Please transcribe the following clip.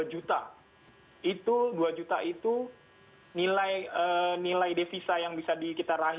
itu dua juta itu nilai devisa yang bisa dikitarakan itu dua juta itu nilai devisa yang bisa dikitarakan